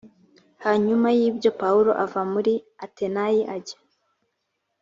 hanyuma y ibyo pawulo ava muri atenayi ajya